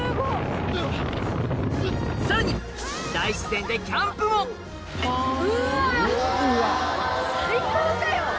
さらに大自然でキャンプもうわっ最高かよ！